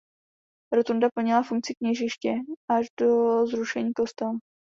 Rotunda plnila funkci kněžiště až do zrušení kostela.